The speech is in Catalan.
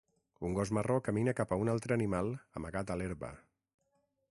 Un gos marró camina cap a un altre animal amagat a l'herba.